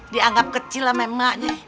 dianggap kecil lah memang nih